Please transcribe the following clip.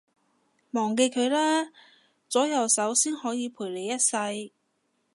忘記佢啦，左右手先可以陪你一世